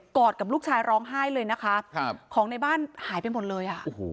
อดกับลูกชายร้องไห้เลยนะคะของในบ้านหายไปหมดเลยอ่ะโอ้โห